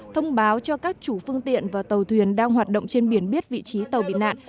thông báo cho các chủ phương tiện và tàu thuyền đang hoạt động trên biển biết vị trí tàu bị nạn